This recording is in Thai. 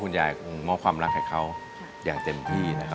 ยายคงมอบความรักให้เขาอย่างเต็มที่นะครับ